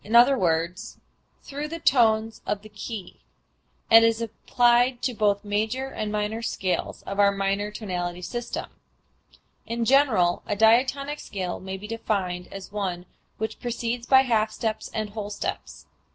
e._, through the tones of the key), and is applied to both major and minor scales of our modern tonality system. In general a diatonic scale may be defined as one which proceeds by half steps and whole steps.